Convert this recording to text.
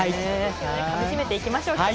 かみしめていきましょう。